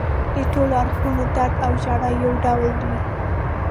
د ټولو اړخونو درد او ژړا یو ډول وي.